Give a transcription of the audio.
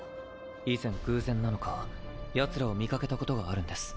以前偶然なのか奴らを見かけたことがあるんです。